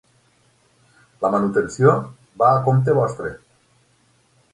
La manutenció va a compte vostre.